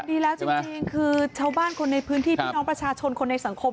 ดีแล้วจริงคือชาวบ้านคนในพื้นที่พี่น้องประชาชนคนในสังคม